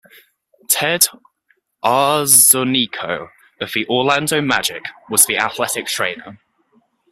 Ted Arzonico of the Orlando Magic was the athletic trainer.